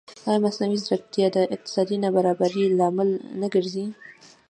ایا مصنوعي ځیرکتیا د اقتصادي نابرابرۍ لامل نه ګرځي؟